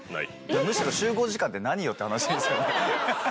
むしろ集合時間ってなによ？って話ですよね。